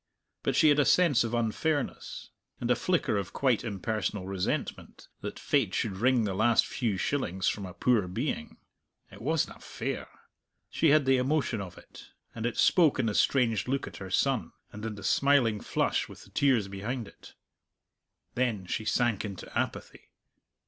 But she had a sense of unfairness, and a flicker of quite impersonal resentment, that fate should wring the last few shillings from a poor being. It wasna fair. She had the emotion of it; and it spoke in the strange look at her son, and in the smiling flush with the tears behind it. Then she sank into apathy.